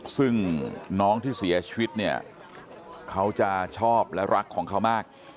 ซึ่งน้องที่เสียชีวิตเนี่ยเขาจะชอบและรักของเขามาก